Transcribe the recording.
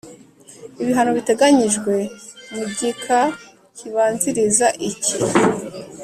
Ibihano biteganyijwe mu gika kibanziriza iki